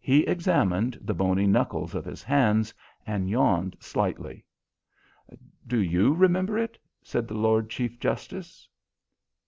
He examined the bony knuckles of his hands and yawned slightly. "Do you remember it?" said the Lord Chief justice.